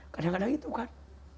kadang kadang itu kan